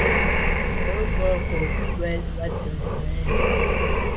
Numi nɔ́’ cup mbʉ̀ a mɛ́n Watɛ̀ɛ́t nɔ́ɔ̀’ nswɛ́ɛ̀n í lá.